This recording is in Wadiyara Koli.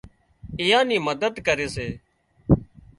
ايئان نِي مدد ڪري سي